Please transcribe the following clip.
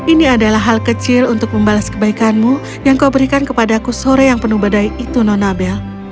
ini adalah hal kecil untuk membalas kebaikanmu yang kau berikan kepadaku sore yang penuh badai itu nona belle